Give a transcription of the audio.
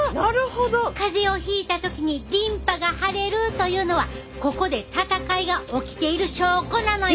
風邪をひいた時にリンパが腫れるというのはここで戦いが起きている証拠なのよ！